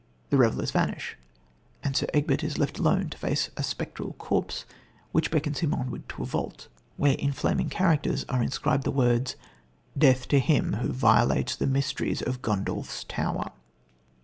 The revellers vanish, and Sir Egbert is left alone to face a spectral corpse, which beckons him onward to a vault, where in flaming characters are inscribed the words: "Death to him who violates the mysteries of Gundulph's Tower."